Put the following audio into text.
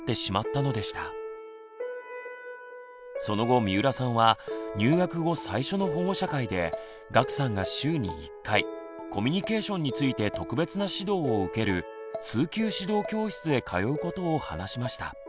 その後三浦さんは入学後最初の保護者会で岳さんが週に１回コミュニケーションについて特別な指導を受ける「通級指導教室」へ通うことを話しました。